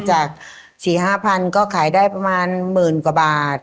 จาก๔๕๐๐ก็ขายได้ประมาณหมื่นกว่าบาท